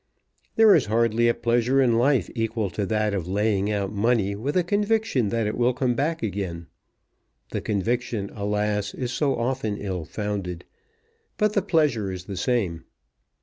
There is hardly a pleasure in life equal to that of laying out money with a conviction that it will come back again. The conviction, alas, is so often ill founded, but the pleasure is the same.